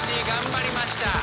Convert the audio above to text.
頑張りました！